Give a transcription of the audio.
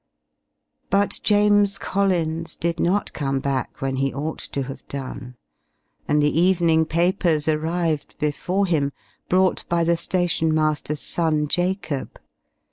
But James Collins did not come back, when he ought to have done, and the evening papers arrived before him, brought by the station master's son Jacob.